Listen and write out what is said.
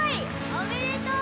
おめでとう！